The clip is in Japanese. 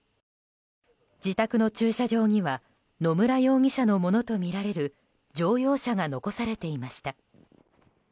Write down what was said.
自宅の駐車場には野村容疑のものとみられる乗用車が残されていました。